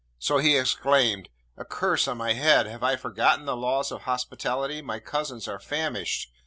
So he exclaimed, 'A curse on my head! have I forgotten the laws of hospitality? my cousins are famished!'